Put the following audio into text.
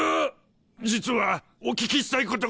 実はお聞きしたいことが。